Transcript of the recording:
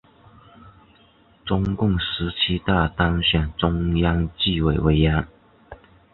中共十七大当选中央纪委委员。